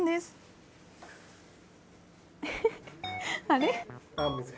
あれ？